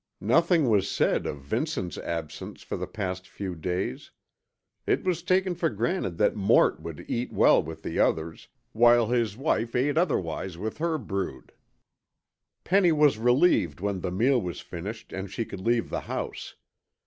Nothing was said of Vince's absence for the past few days. It was taken for granted that Mort would eat well with the others, while his wife ate otherwise with her brood. Penny was relieved when the meal was finished and she could leave the house.